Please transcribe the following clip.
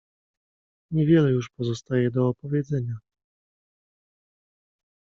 "Niewiele już pozostaje do opowiedzenia."